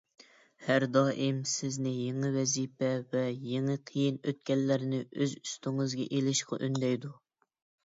ھەر دائىم سىزنى يېڭى ۋەزىپە ۋە يېڭى قىيىن ئۆتكەللەرنى ئۆز ئۈستىڭىزگە ئېلىشقا ئۈندەيدۇ.